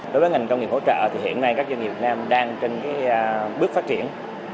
đối với ngành công nghiệp hỗ trợ thì hiện nay các doanh nghiệp việt nam đang trên bước phát triển